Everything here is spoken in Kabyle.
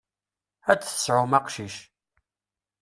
Ad d-tesɛum aqcic.